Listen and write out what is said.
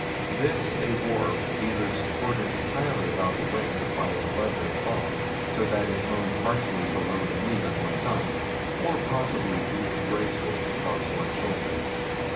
This they wore either supported entirely about the waist by a leathern thong, so that it hung partially below the knee on one side, or possibly looped gracefully across one shoulder.